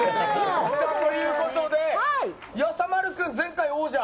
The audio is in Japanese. ということでやさまる君、前回の王者。